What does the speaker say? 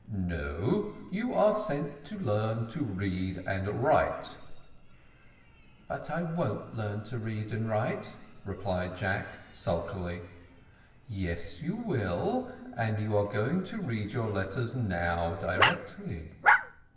"No; you are sent to learn to read and write." "But I won't read and write," replied Jack sulkily. "Yes, you will and you are going to read your letters now directly."